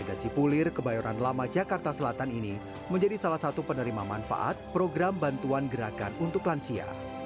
untuk berpartisipasi dalam gerakan untuk lansia